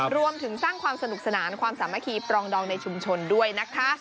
รวมถึงสร้างความสนุกสนานความสามัคคีปรองดองในชุมชนด้วยนะคะ